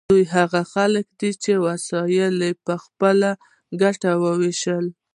دا هغه خلک دي چې وسایل یې په خپله ګټه ویشلي.